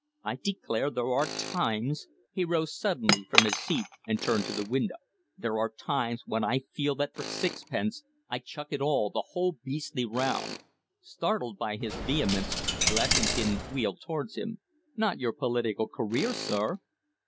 I declare there are times" he rose suddenly from his seat and turned to the window "there are times when I feel that for sixpence I'd chuck it all the whole beastly round " Startled by his vehemence, Blessington wheeled towards him. "Not your political career, sir?"